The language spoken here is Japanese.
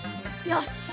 よし！